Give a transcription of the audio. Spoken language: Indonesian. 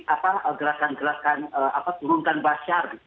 apa gerakan gerakan turunkan basyar